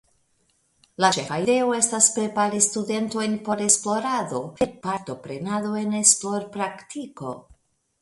La ĉefa ideo estis prepari studentojn por esplorado per partoprenado en esplorpraktiko.